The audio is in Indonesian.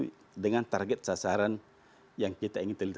itu memang target sasaran yang kita ingin terlihat